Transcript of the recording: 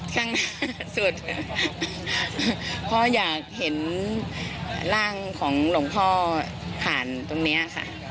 ข้างหน้าสุดเลยพ่ออยากเห็นร่างของหลวงพ่อผ่านตรงนี้ค่ะ